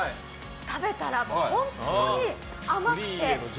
食べたら本当に甘くて。